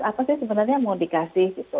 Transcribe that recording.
apa sih sebenarnya yang mau dikasih gitu